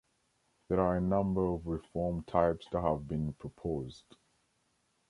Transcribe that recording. There are a number of reform types that have been proposed.